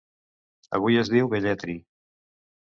Avui es diu Velletri.